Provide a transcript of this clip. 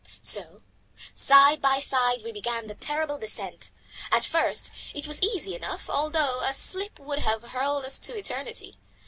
So side by side we began the terrible descent. At first it was easy enough, although a slip would have hurled us to eternity.